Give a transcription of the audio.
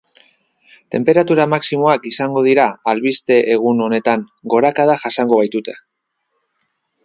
Tenperatura maximoak izango dira albiste egun honetan, gorakada jasango baitute.